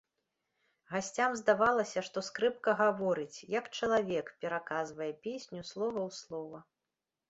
Гасцям здавалася, што скрыпка гаворыць, як чалавек, пераказвае песню слова ў слова.